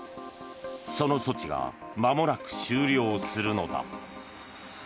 その措置がまもなく終了するのだ。